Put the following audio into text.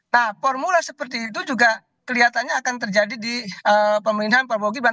nah formula seperti itu juga kelihatannya akan terjadi di pemerintahan prabowo gibran